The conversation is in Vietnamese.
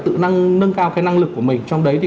tự nâng cao cái năng lực của mình trong đấy thì